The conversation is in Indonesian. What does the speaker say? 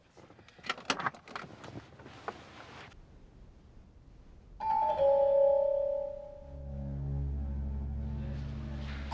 yuk kita turun yuk